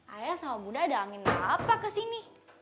ayah sama bunda ada angin apa kesini